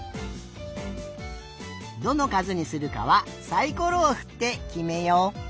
どのかずにするかはサイコロをふってきめよう。